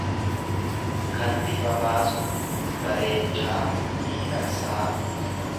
kan bifa baasu, bareechaa, miidhagsaa.